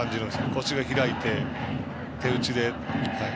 腰が開いて、手打ちで。